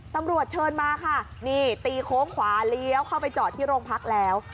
ตำรวจเชิญมาค่ะนี่ตีโค้งขวาเลี้ยวเข้าไปจอดที่โรงพักแล้ว